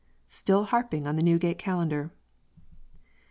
Still harping on the Newgate Calendar!